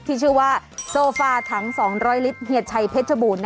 ที่ชื่อว่าโซฟาถัง๒๐๐ลิตรเฮียชัยเพชรบูรณ์